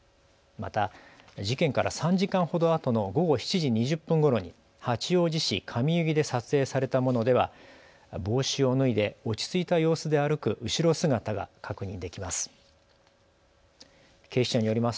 また事件から３時間ほどあとの午後７時２０分ごろに八王子市上柚木で撮影されたものでは帽子を脱いで落ち着いた様子で歩く後ろ姿が確認できます。